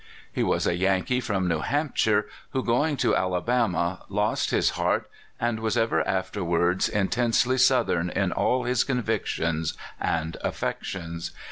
He was a Yankee from New Hampshire, who, $9 CALIFORNIA SKETCHES. going to Alabama, lost his heart, and was ever afterward intensely Southern in all his convictions and affections.